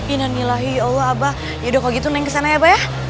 inanilahi allah abah yaudah kalau gitu neng kesana ya abah ya